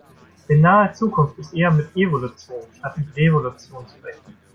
In naher Zukunft ist eher mit Evolution statt mit Revolution zu rechnen.